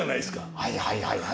はいはいはいはい。